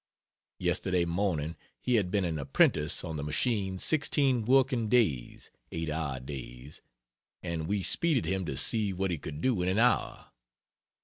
Yesterday morning he had been an apprentice on the machine 16 working days (8 hour days); and we speeded him to see what he could do in an hour.